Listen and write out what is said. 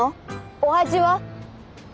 お味は？